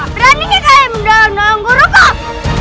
berani nih kalian mendanggung gue pak